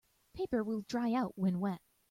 Paper will dry out when wet.